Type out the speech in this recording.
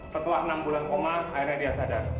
setelah enam bulan koma akhirnya dia sadar